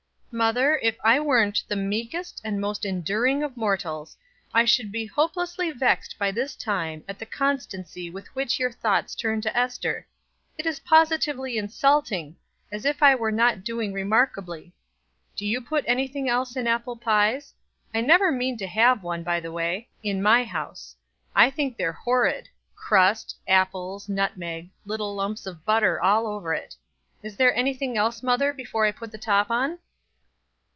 "Mother, if I weren't the meekest and most enduring of mortals, I should be hopelessly vexed by this time at the constancy with which your thoughts turn to Ester; it is positively insulting, as if I were not doing remarkably. Do you put anything else in apple pies? I never mean to have one, by the way, in my house. I think they're horrid; crust apples nutmeg little lumps of butter all over it. Is there anything else, mother, before I put the top on?"